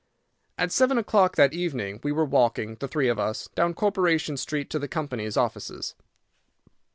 At seven o'clock that evening we were walking, the three of us, down Corporation Street to the company's offices.